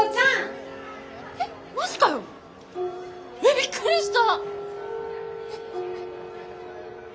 びっくりした！